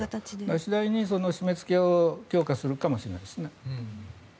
次第に締めつけを強化するかもしれないです。